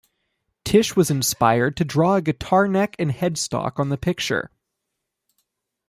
Tish was inspired to draw a guitar neck and headstock on the picture.